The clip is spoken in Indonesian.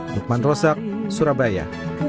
nukman rozak surabaya